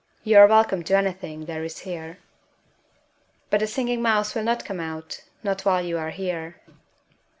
You are welcome to anything there is here.... But the Singing Mouse will not come out, not while you are here.